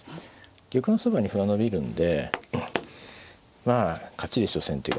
玉のそばに歩が伸びるんでまあ勝ちでしょ先手が。